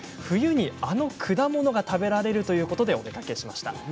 冬にあの果物が食べられるということでお出かけしました。